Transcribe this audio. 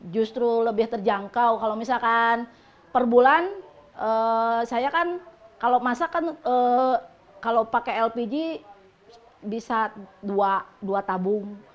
justru lebih terjangkau kalau misalkan per bulan saya kan kalau masak kan kalau pakai lpg bisa dua tabung